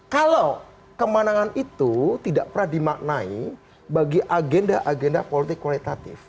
kalau kemenangan itu tidak pernah dimaknai bagi agenda agenda politik kualitatif